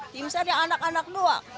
timstar ada anak anak dua